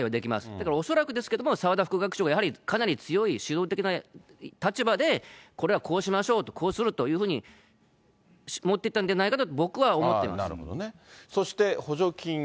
だから恐らくですけれども、澤田副学長がやはりかなり強い主導的な立場で、これはこうしましょうと、こうするというふうに持っていったんじゃないかと、僕は思ってまなるほどね。